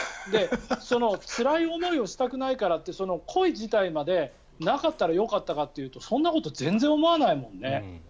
つらい思いをしたくないからって恋自体までなかったらよかったかっていうとそんなことは全然思わないもんね。